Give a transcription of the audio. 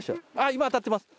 今当たってました。